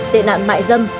tệ nạn mại dâm